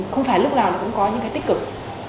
không phải lúc nào là cũng có những cái tích cực